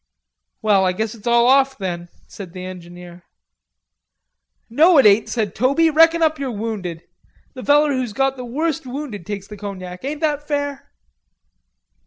"Well, I guess it's all off, then," said the engineer. "No, it ain't," said Toby, "reckon up yer wounded. The feller who's got the worst wounded gets the cognac. Ain't that fair?"